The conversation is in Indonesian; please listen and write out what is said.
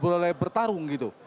tidak boleh bertarung